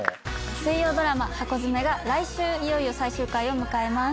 水曜ドラマ『ハコヅメ』が来週いよいよ最終回を迎えます。